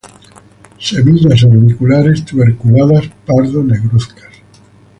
Semillas orbiculares, tuberculadas, pardo-negruzcas.